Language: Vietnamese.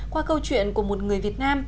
qua câu chuyện của một người việt nam